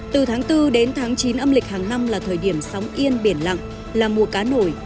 từ tháng bốn đến tháng chín âm lịch hàng năm là thời điểm sóng yên biển lặng là mùa cá nổi